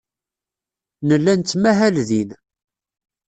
Nella nettmahal din.